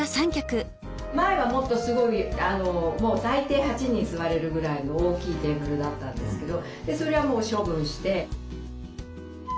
前はもっとすごいもう最低８人座れるぐらいの大きいテーブルだったんですけどそれはもう処分して。